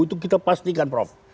itu kita pastikan prof